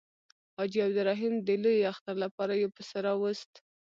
حاجي عبدالرحیم د لوی اختر لپاره یو پسه راووست.